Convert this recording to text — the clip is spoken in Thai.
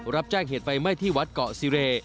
รับแจ้งเหตุไฟไหม้ที่วัดเกาะซีเร